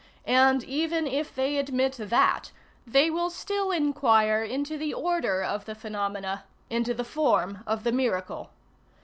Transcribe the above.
And even if they admit that, they will still inquire into the order of the phenomena, into the form of the miracle.